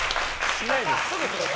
しないです。